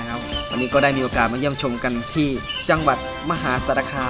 วันนี้ก็ได้มีโอกาสมาเยี่ยมชมกันที่จังหวัดมหาสารคาม